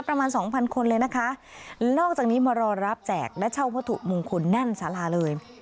ประมาณสองพันคนเลยนะคะนอกจากนี้มารอรับแจกและเช่าวัตถุมงคลแน่นสาราเลย